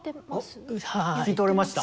聞き取れました？